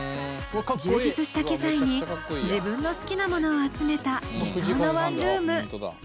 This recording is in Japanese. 充実した機材に自分の好きなものを集めた理想のワンルーム。